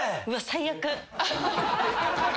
最悪！